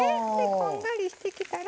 こんがりしてきたら。